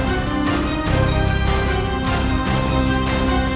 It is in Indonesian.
aku akan menang